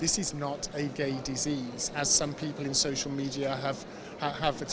seperti yang dikira oleh beberapa orang di media sosial